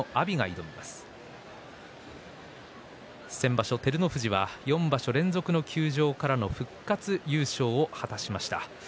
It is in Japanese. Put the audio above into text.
先場所、照ノ富士は４場所連続の休場からの復活優勝を果たしました。